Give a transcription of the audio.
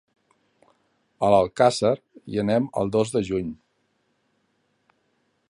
A Alcàsser hi anem el dos de juny.